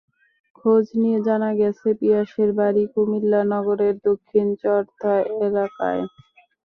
খোঁজ নিয়ে জানা গেছে, পিয়াসের বাড়ি কুমিল্লা নগরের দক্ষিণ চর্থা এলাকায়।